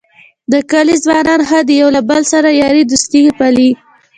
د کلي ځوانان ښه دي یو له بل سره یارۍ دوستۍ پالي.